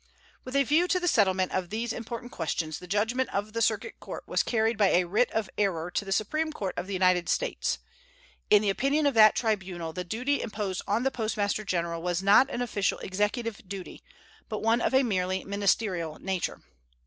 With a view to the settlement of these important questions, the judgment of the circuit court was carried by a writ of error to the Supreme Court of the United States. In the opinion of that tribunal the duty imposed on the Postmaster General was not an official executive duty, but one of a merely ministerial nature.